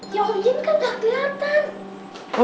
ya oyin kan gak keliatan